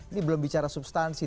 ini belum bicara substansi